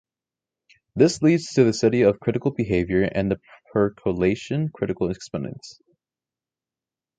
This leads to the study of critical behavior and the percolation critical exponents.